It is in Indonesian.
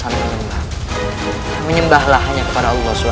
menyembah menyembahlah hanya kepada allah swt